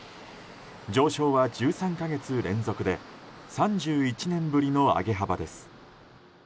上昇は１３か月連続で３１年ぶりの上げ幅です。